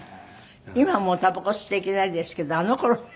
今もうたばこ吸っちゃいけないですけどあの頃はね